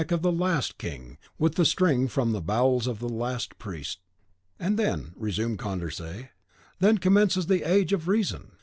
'" (And throttle the neck of the last king with the string from the bowels of the last priest.) "And then," resumed Condorcet, "then commences the Age of Reason!